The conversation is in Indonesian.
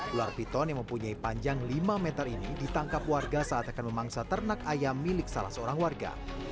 ular piton yang mempunyai panjang lima meter ini ditangkap warga saat akan memangsa ternak ayam milik salah seorang warga